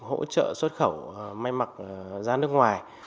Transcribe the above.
hỗ trợ xuất khẩu may mặc ra nước ngoài